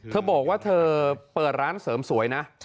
เธอบอกว่าเธอเปิดร้านเสริมสวยนะ